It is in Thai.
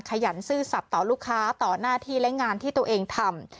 ขยันซื่อสัตว์ต่อลูกค้าต่อหน้าที่และงานที่ตัวเองทำ